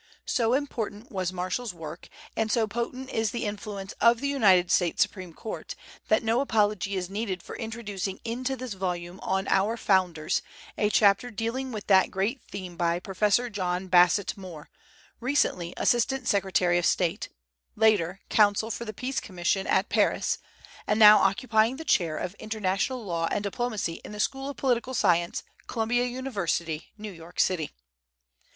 So important was Marshall's work, and so potent is the influence of the United States Supreme Court, that no apology is needed for introducing into this volume on our "Founders" a chapter dealing with that great theme by Professor John Bassett Moore, recently Assistant Secretary of State; later, Counsel for the Peace Commission at Paris; and now occupying the chair of International Law and Diplomacy in the School of Political Science, Columbia University, New York City.